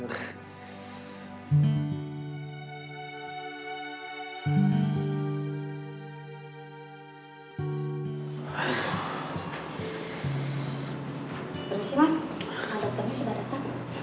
alat alatnya sudah datang